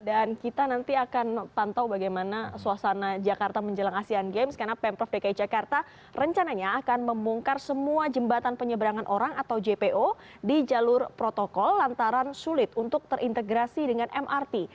dan kita nanti akan pantau bagaimana suasana jakarta menjelang asian games karena pemprov dki jakarta rencananya akan membongkar semua jembatan penyeberangan orang atau jpo di jalur protokol lantaran sulit untuk terintegrasi dengan mrt